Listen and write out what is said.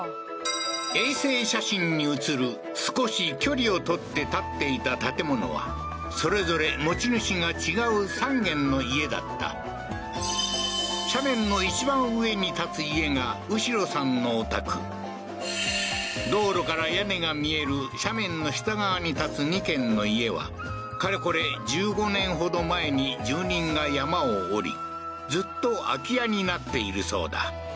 衛星写真に写る少し距離を取って建っていた建物はそれぞれ持ち主が違う３軒の家だった斜面の一番上に建つ家がウシロさんのお宅道路から屋根が見える斜面の下側に建つ２軒の家はかれこれ１５年ほど前に住人が山を降りずっと空き家になっているそうだ